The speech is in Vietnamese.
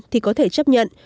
thì có thể chấp nhận